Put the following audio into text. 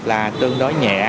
là tương đối nhẹ